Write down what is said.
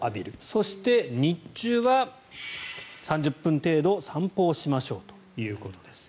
そして、日中は３０分程度、散歩をしましょうということです。